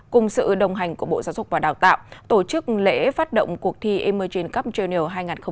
cùng sự đồng hành của bộ giáo dục và đào tạo tổ chức lễ phát động cuộc thi emerging cup junior hai nghìn hai mươi bốn